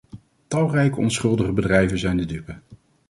Talrijke onschuldige bedrijven zijn de dupe.